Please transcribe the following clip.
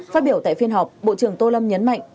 phát biểu tại phiên họp bộ trưởng tô lâm nhấn mạnh